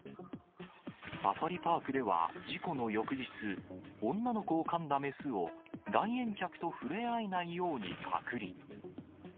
サファリパークでは事故の翌日、女の子をかんだ雌を来園客とふれあえないように隔離。